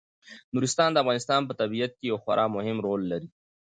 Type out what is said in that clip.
نورستان د افغانستان په طبیعت کې یو خورا مهم رول لري.